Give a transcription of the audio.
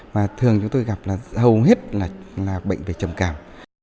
mà thường chúng tôi gặp là hầu hết là bệnh về trầm cảm